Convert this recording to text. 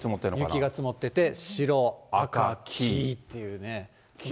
雪積もってて、白、赤、黄っていうね。